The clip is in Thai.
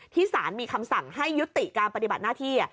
สารมีคำสั่งให้ยุติการปฏิบัติหน้าที่